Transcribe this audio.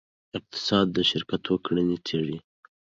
اقتصاد د شرکتونو کړنې څیړي.